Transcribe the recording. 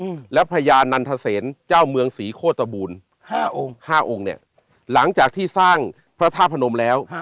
อืมแล้วพญานันทเซนเจ้าเมืองศรีโคตบูรณ์ห้าองค์ห้าองค์เนี้ยหลังจากที่สร้างพระธาตุพนมแล้วฮะ